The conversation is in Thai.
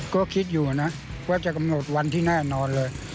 ก็คิดอยู่นะว่าจะกำหนดวันที่แน่นอนเลย